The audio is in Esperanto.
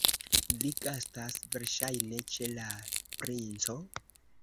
Vi gastas, verŝajne, ĉe la princo?